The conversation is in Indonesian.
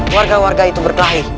warga warga itu berkelahi